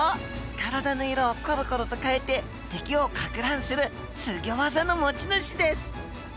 体の色をころころと変えて敵をかく乱するすギョ技の持ち主です！